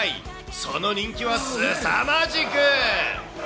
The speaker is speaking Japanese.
その人気はすさまじく。